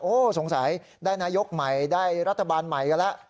สงสัยได้นายกใหม่ได้รัฐบาลใหม่กันแล้ว